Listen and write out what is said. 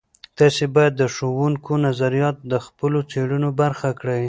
تاسې باید د ښوونکو نظریات د خپلو څیړنو برخه کړئ.